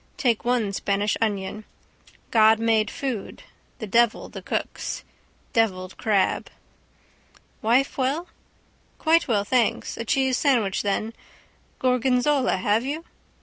Take one Spanish onion. God made food, the devil the cooks. Devilled crab. —Wife well? —Quite well, thanks... A cheese sandwich, then. Gorgonzola, have you?